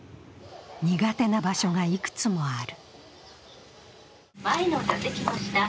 苦手な場所がいくつもある。